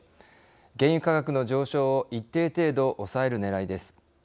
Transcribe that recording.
原油価格の上昇を一定程度抑えるねらいです。